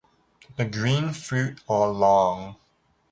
The green fruit are long.